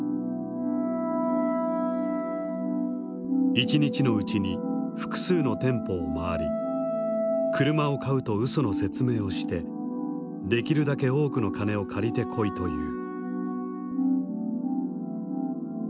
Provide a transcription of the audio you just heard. １日のうちに複数の店舗を回り車を買うと嘘の説明をしてできるだけ多くの金を借りてこいという。